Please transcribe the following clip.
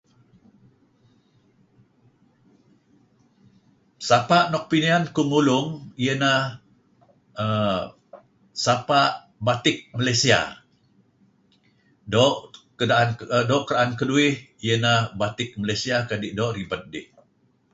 Sapa' nuk piniyan kuh ngulung iyeh ineh err sapa' batik Malaysia. Doo' kera'an keduih iyeh ineh batik Malaysia kadi' doo' ribed dih.